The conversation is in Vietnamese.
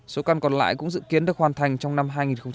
số căn còn lại cũng dự kiến được hoàn thành trong năm hai nghìn hai mươi